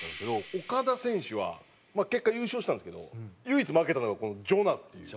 オカダ選手は結果優勝したんですけど唯一負けたのがこのＪＯＮＡＨっていう。